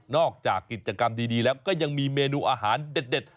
จากกิจกรรมดีแล้วก็ยังมีเมนูอาหารเด็ด